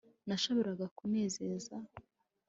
Nashoboraga kunezeza